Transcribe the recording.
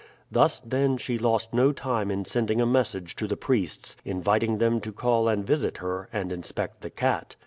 Thus, then, she lost no time in sending a message to the priests inviting them to call and visit her and inspect the cat.